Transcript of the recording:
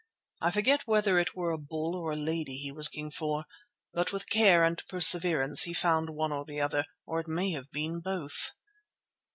I forget whether it were a bull or a lady he was looking for, but with care and perseverance he found one or the other, or it may have been both.